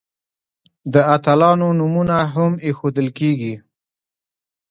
د اتلانو نومونه هم ایښودل کیږي.